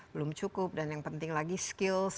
belum cukup dan yang penting lagi skills